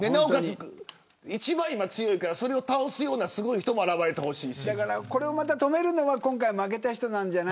今一番強いからそれを倒すようなすごい人も現れてほしい。